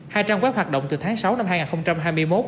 hai trang web hoạt động từ tháng sáu năm hai nghìn hai mươi một